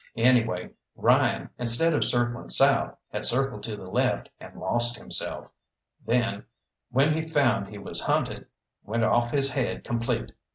Anyway, Ryan, instead of circling south, had circled to the left and lost himself, then, when he found he was hunted, went off his head complete.